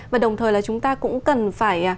và đồng thời là chúng ta cũng cần phải